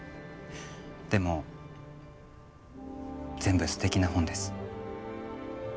でも全部すてきな本です。